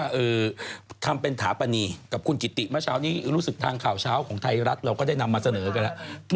เออทำเป็นถาปนีกับคุณกิติเมื่อเช้านี้รู้สึกทางข่าวเช้าของไทยรัฐเราก็ได้นำมาเสนอกันแล้ว